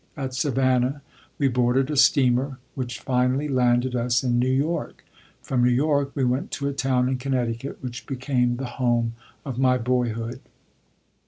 At Savannah we boarded a steamer which finally landed us in New York. From New York we went to a town in Connecticut, which became the home of my boyhood.